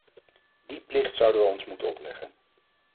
Die plicht zouden wij ons moeten opleggen.